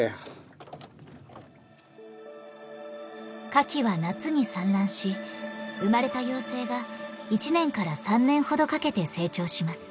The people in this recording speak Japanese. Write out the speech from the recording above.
カキは夏に産卵し生まれた幼生が１年から３年ほどかけて成長します。